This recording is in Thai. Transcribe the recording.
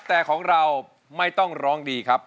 แต่ของเราไม่ต้องร้องดีครับ